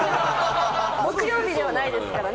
木曜日ではないですからね。